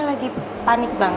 masih baru bang